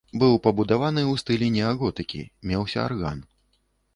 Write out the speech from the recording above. Быў пабудаваны ў стылі неаготыкі, меўся арган.